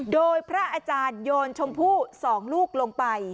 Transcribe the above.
โดยพระอาจารย์โยนชมพู่๒ลูกลงไป